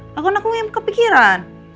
takutin aku ngekepikiran